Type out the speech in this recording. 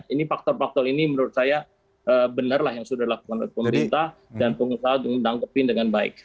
ini faktor faktor ini menurut saya benar lah yang sudah dilakukan oleh pemerintah dan pengusaha ditangkepin dengan baik